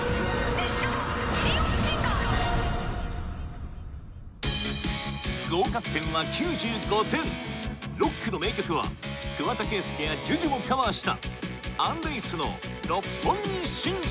ミリオンシンガー・合格点は９５点ロックの名曲は桑田佳祐や ＪＵＪＵ もカバーしたアン・ルイスの『六本木心中』